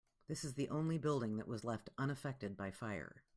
This is the only building that was left unaffected by fire.